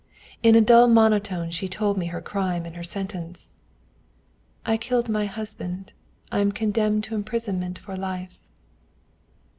In a dull monotone she told me her crime and her sentence: "I killed my husband. I am condemned to imprisonment for life."